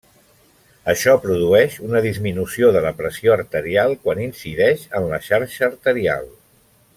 Això produeix una disminució de la pressió arterial quan incideix en la xarxa arterial.